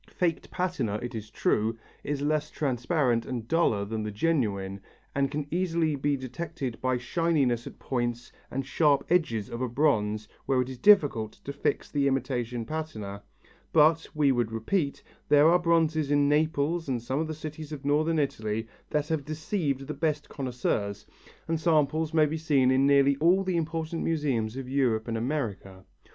Faked patina, it is true, is less transparent and duller than the genuine, and it can easily be detected by shininess at the points and sharp edges of a bronze where it is difficult to fix the imitation patina, but, we would repeat, there are bronzes in Naples and some of the cities of Northern Italy that have deceived the best connoisseurs, and samples may be seen in nearly all the important museums of Europe and America.